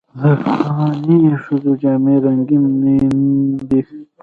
د افغاني ښځو جامې رنګینې دي.